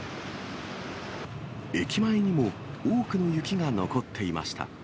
駅前にも多くの雪が残っていました。